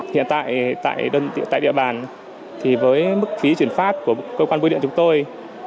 hiện tại địa bàn thì với mức phí chuyển phát của cơ quan bưu điện chúng tôi